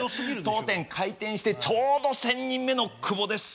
当店開店してちょうど１，０００人目の久保です。